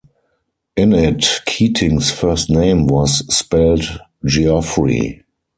In it, Keating's first name was spelt Jeoffry.